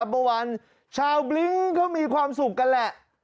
อันตราประวันชาวบลิ้งก็มีความสุขกันแหละ